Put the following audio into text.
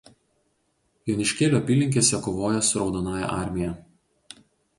Joniškėlio apylinkėse kovojęs su Raudonąja armija.